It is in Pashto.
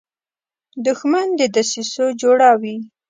دښمن د دسیسو جوړه وي